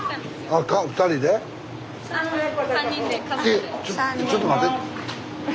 えっちょっと待て。